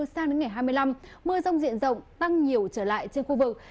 sang đến ngày hai mươi năm mưa rông diện rộng tăng nhiều trở lại trên khu vực